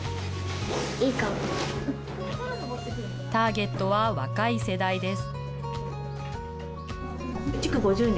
ターゲットは若い世代です。